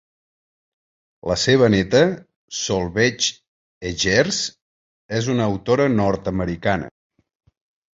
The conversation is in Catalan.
La seva neta, Solveig Eggerz és una autora nord-americana.